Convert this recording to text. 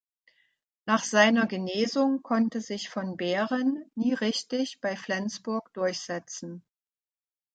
Nach seiner Genesung konnte sich von Behren nie richtig bei Flensburg durchsetzen.